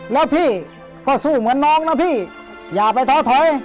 แล้วพี่ก็สู้เหมือนน้องนะพี่อย่าไปท้อถอย